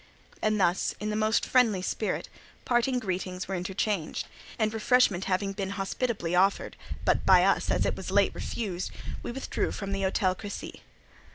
And thus, in the most friendly spirit, parting greetings were interchanged; and refreshment having been hospitably offered, but by us, as it was late, refused, we withdrew from the Hôtel Crécy.